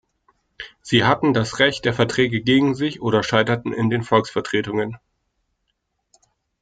Sie hatten das Recht der Verträge gegen sich oder scheiterten in den Volksvertretungen.